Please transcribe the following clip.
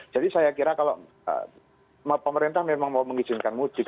jadi saya kira kalau pemerintah memang mau mengizinkan mudik